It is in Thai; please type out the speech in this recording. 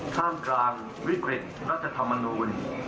ท่ามกลางวิกฤตรัฐธรรมนูล